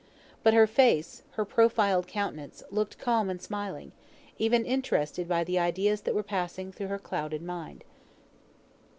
But her face, her profiled countenance, looked calm and smiling, even interested by the ideas that were passing through her clouded mind.